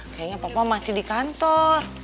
kayaknya papa masih di kantor